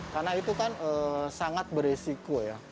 karena itu kan sangat beresiko ya